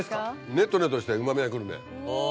ネトネトしてうまみがくるね。